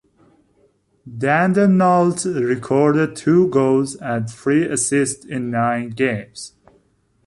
Dandenault recorded two goals and three assists in nine games.